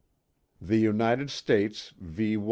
'" _The United States v.